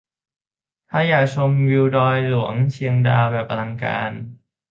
ถ้าอยากชมวิวดอยหลวงเชียงดาวแบบอลังการ